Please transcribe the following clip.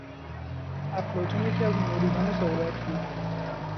افلاطون یکی از مریدان سقراط بود.